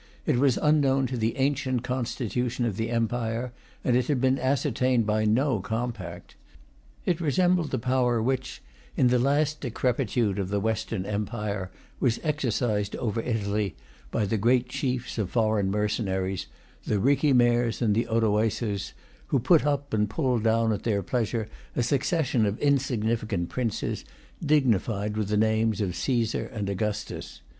It was unknown to the ancient constitution of the empire, and it had been ascertained by no compact. It resembled the power which, in the last decrepitude of the Western Empire, was exercised over Italy by the great chiefs of foreign mercenaries, the Ricimers and the Odoacers, who put up and pulled down at their pleasure a succession of insignificant princes, dignified with the names of Caesar and Augustus.